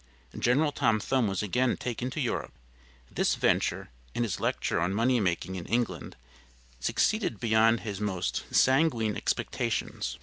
General Tom Thumb was again taken to Europe. This venture, and his lecture on 'Money Making,' in England, succeeded beyond his most sanguine expectations.